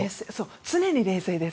常に冷静です。